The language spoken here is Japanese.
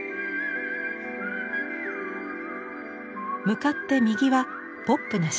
向かって右はポップな色彩。